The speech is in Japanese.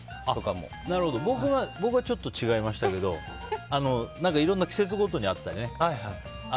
僕はちょっと違いましたけどいろいろ季節ごとにあって。